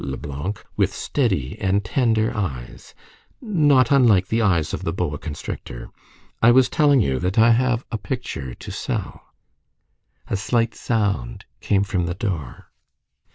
Leblanc with steady and tender eyes, not unlike the eyes of the boa constrictor, "I was telling you, that I have a picture to sell." A slight sound came from the door.